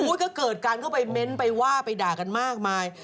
โอ้ยไปเกิดการเม้นต์ไปว่าไปด่ากันมากมาย